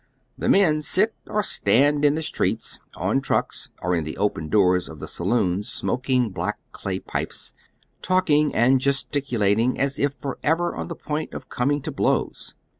The men sit or stand in the streets, on trucks, or in the open doors of tlio saloons smoking black clay pipes, talking and gesticulat ing as if forever on the point of coming to blows.